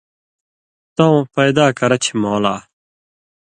تَوں پیدا کرہ چھے مولا